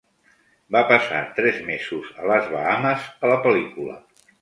Va passar tres mesos a les Bahamas a la pel·lícula.